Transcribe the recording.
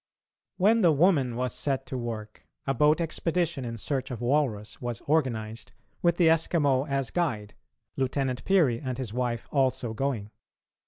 When the woman was set to work, a boat expedition in search of walrus was organised, with the Eskimo as guide, Lieutenant Peary and his wife also going.